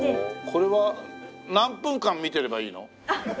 これは何分間見てればいいの？